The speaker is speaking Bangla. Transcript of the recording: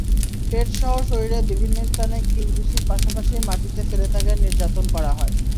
পেটসহ শরীরের বিভিন্ন স্থানে কিল-ঘুষির পাশাপাশি মাটিতে ফেলে তাঁকে নির্যাতন করা হয়।